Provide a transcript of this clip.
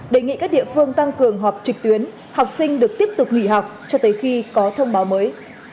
đề nghị các địa phương tăng cường họp trực tuyến học sinh được tiếp tục nghỉ học cho tới khi có thông báo mới